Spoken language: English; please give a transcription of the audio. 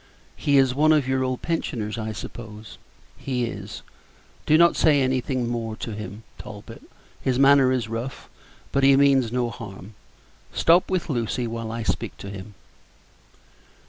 "He is one of your old pensioners, I suppose?" "He is; do not say anything more to him, Talbot. His manner is rough, but he means no harm. Stop with Lucy while I speak to him."